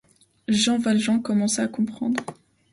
Jean Valjean commença à comprendre.